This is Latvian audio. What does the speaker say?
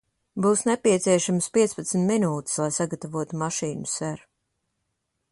Būs nepieciešamas piecpadsmit minūtes, lai sagatavotu mašīnu, ser.